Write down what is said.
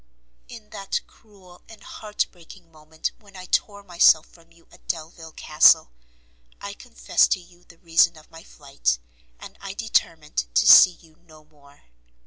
In that cruel and heart breaking moment when I tore myself from you at Delvile Castle, I confessed to you the reason of my flight, and I determined to see you no more.